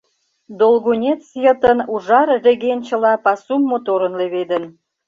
Долгунец йытын ужар регенчыла пасум моторын леведын.